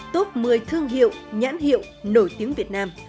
top một mươi thương hiệu nhãn hiệu nổi tiếng việt nam